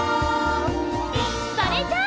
それじゃあ。